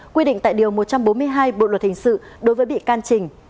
quy định tại điều một trăm bốn mươi hai bộ luật hình sự đối với bị can trình